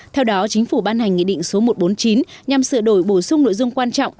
theo đó chính phủ ban hành nghị định số một trăm bốn mươi chín nhằm sửa đổi bổ sung nội dung quan trọng